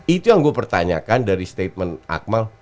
itu yang gue pertanyakan dari statement akmal